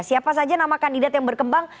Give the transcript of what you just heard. siapa saja nama kandidat yang berkembang